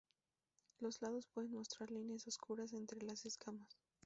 Los lados pueden mostrar líneas oscuras entre las escamas.